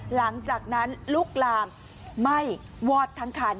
หลังจากนั้นลุกลามไหม้วอดทั้งคัน